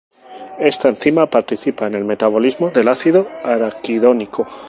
Esta enzima participa en el metabolismo de ácido araquidónico.